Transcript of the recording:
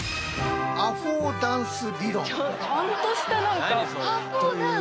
アフォーダンス？